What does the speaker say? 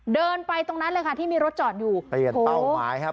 เดินไปตรงนั้นเลยค่ะที่มีรถจอดอยู่เปลี่ยนเป้าหมายครับ